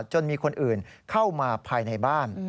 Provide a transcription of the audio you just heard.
จนมีคนอื่นเข้ามาภายในบ้าน